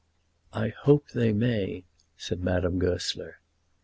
"I hope they may," said Madame Goesler.